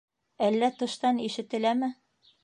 Әллә тыштан ишетеләме?